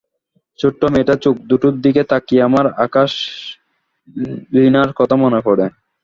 ছোট্ট মেয়েটার চোখ দুটোর দিকে তাকিয়ে আমার আকাশলীনার কথা মনে পড়ে।